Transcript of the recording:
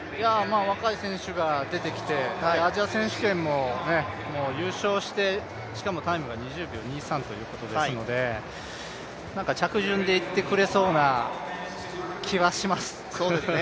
若い選手が出てきて、アジア選手権も優勝して、しかもタイムが２０秒２３ということですので、着順でいってくれそうな気はします。